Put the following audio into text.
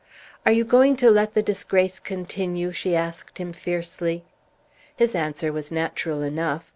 "Are you going to let the disgrace continue?" she asked him, fiercely. His answer was natural enough.